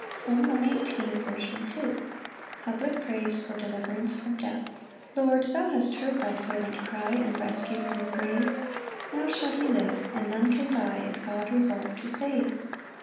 Psalm 118:2. 17 21. Second Part. Public praise for deliverance from death. 1 Lord, thou hast heard thy servant cry, And rescu'd from the grave; Now shall he live: (and none can die If God resolve to save.)